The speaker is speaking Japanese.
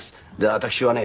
私はね